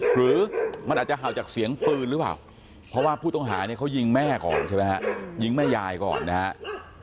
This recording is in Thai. หรือมันอาจจะเห่าจากเสียงปืนหรือเปล่าเพราะว่าผู้ต้องหาเนี่ยเขายิงแม่ก่อนใช่ไหมฮะยิงแม่ยายก่อนนะครับ